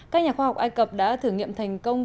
các nhà khoa học ai cập đã thử nghiệm thành công